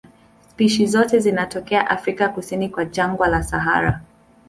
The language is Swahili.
Spishi zote zinatokea Afrika kusini kwa jangwa la Sahara.